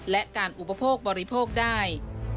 และการอุปโภคบริโภคได้